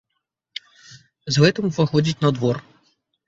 З гэтым уваходзіць на двор.